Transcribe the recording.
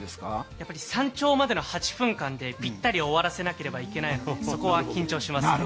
やっぱり山頂までの８分間でぴったり終わらせなければいけないのでそこは緊張します。